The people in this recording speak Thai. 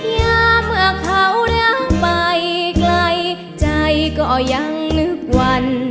อย่าเมื่อเขารักไปไกลใจก็ยังนึกวัน